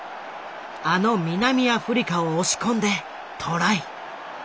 あの南アフリカを押し込んでトライ。